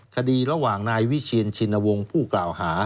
คดีระหว่างนายวิเชียนชินวงศ์ผู้กล่าวหา